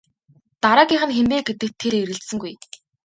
Дараагийнх нь хэн бэ гэдэгт тэр эргэлзсэнгүй.